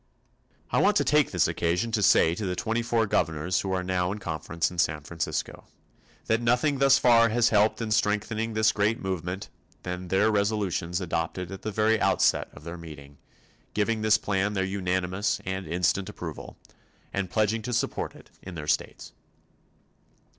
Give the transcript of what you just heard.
I want to take this occasion to say to the twenty four governors who are now in conference in San Francisco, that nothing thus far has helped in strengthening this great movement more than their resolutions adopted at the very outset of their meeting, giving this plan their unanimous and instant approval, and pledging to support it in their states.